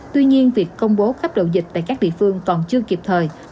tuy nhiên việc công bố cấp độ dịch tại các địa phương còn chưa kịp thời